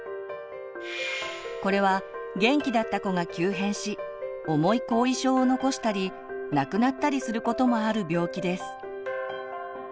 これは元気だった子が急変し重い後遺症を残したり亡くなったりすることもある病気です。